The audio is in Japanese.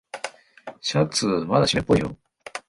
シャツまだしめっぽいよ。